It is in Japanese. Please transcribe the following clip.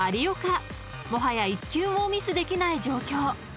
［もはや１球もミスできない状況］